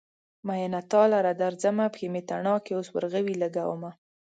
مينه تا لره درځمه : پښې مې تڼاکې اوس ورغوي لګومه